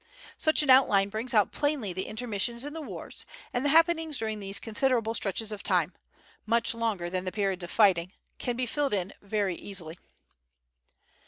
Such an outline brings out plainly the intermissions in the wars, and the happenings during these considerable stretches of time (much longer than the periods of fighting) can be filled in very easily.